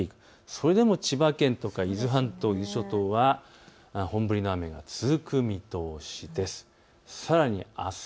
それでも千葉県とか伊豆半島、伊豆諸島は本降りの雨が続く見通しです。